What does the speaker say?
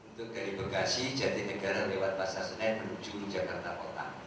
itu dari bekasi jatinegara lewat pasar senen menuju ke jakarta kota